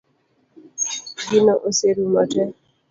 Gino oserumo tee